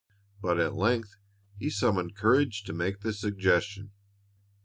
But at length he summoned courage to make the suggestion.